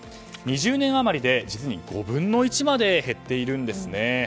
２０年余りで実に５分の１まで減っているんですね。